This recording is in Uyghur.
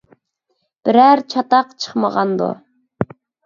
بىرەر چاتاق چىقمىغاندۇ؟